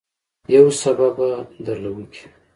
يو سبب به درله وکي.